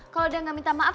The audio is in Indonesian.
kalau dia nggak minta maaf